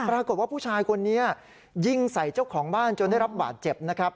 ปรากฏว่าผู้ชายคนนี้ยิงใส่เจ้าของบ้านจนได้รับบาดเจ็บนะครับ